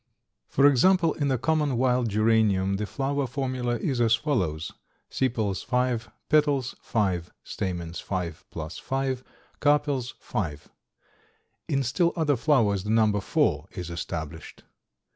For example, in the common wild geranium the flower formula is as follows: sepals 5, petals 5, stamens 5 plus 5, carpels 5. In still other flowers the number four is established.